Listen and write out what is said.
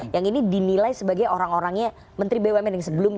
yang ini dinilai sebagai orang orangnya menteri bumn